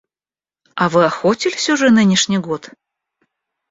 А вы охотились уже нынешний год?